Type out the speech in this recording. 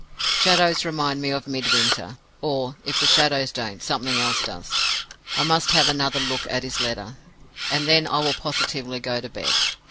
"Shadows remind me of Midwinter; or, if the shadows don't, something else does. I must have another look at his letter, and then I will positively go to bed.